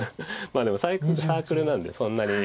でもサークルなんでそんなに。